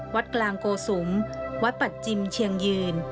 วัดกลางโกสุมวัดปัจจิมเชียงยืน